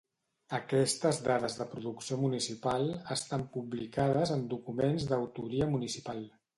Aquestes dades de producció municipal estan publicades en documents d'autoria municipal.